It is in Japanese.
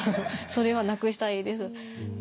それはなくしたいです。